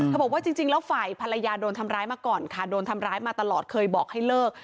บอกว่าจริงแล้วฝ่ายภรรยาโดนทำร้ายมาก่อนค่ะโดนทำร้ายมาตลอดเคยบอกให้เลิก